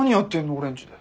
俺んちで。